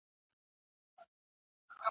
نن د جنګ میدان ته ځي خو توپ او ګولۍ نه لري `